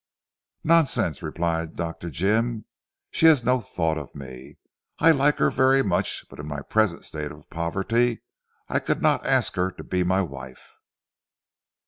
"Nonsense," replied Dr. Jim, "she has no thought of me. I like her very much but in my present state of poverty I could not ask her to be my wife."